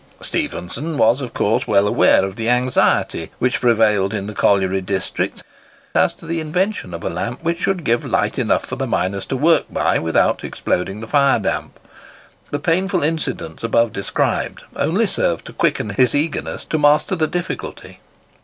Stephenson was of course well aware of the anxiety which prevailed in the colliery districts as to the invention of a lamp which should give light enough for the miners to work by without exploding the fire damp. The painful incidents above described only served to quicken his eagerness to master the difficulty.